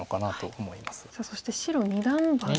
さあそして白二段バネ。